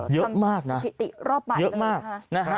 เยอะมากนะทำสถิติรอบใหม่เลย